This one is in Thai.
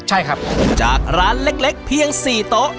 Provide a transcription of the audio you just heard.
ใช่ครับจากร้านเล็กเพียง๔โต๊ะ